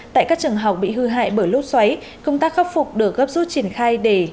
tại các trường học bị hư hại bởi lúc xoáy công tác khắc phục được gấp rút triển khai để